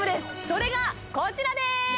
それがこちらです